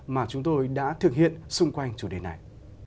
mà chúng tôi đã thực hiện xung quanh chủ đề này